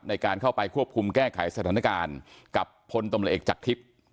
ในการเข้าไปควบคุมแก้ไขสถานการณ์กับพลตำรวจเอกจากทิพย์